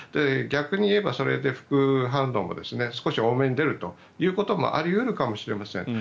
逆に言えばそれで副反応も少し多めに出るということもあり得るかもしれません。